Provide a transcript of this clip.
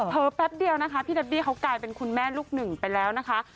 อแป๊บเดียวนะคะพี่เดบี้เขากลายเป็นคุณแม่ลูกหนึ่งไปแล้วนะคะ